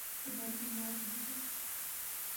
وہ بال سنوار رہی ہے